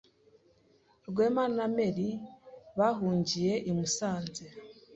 Rwema na Mary bahungiye i Musanze